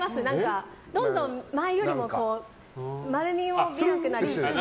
どんどん前よりも丸みを帯びなくなり。